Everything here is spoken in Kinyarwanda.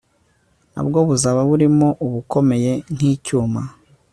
na bwo buzaba burimo ubukomeye nk icyuma